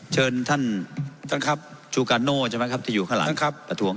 เชิญท่านซูกาโนที่อยู่ข้างหลัง